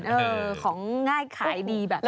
เออของง่ายขายดีแบบนี้นะ